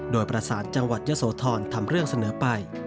โดยประสาทจังหวัดเยอะโสธรทำเรื่องเสนอไป